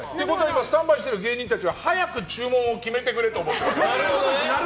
スタンバイしている芸人たちは早く注文を決めてくれと思ってる。